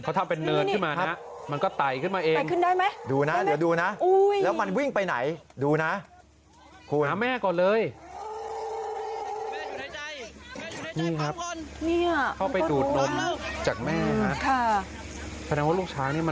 เขาทำเป็นเนินขึ้นมานะมันก็ไตขึ้นมาเอง